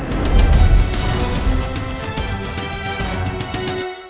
โปรดติดตามตอนต่อไป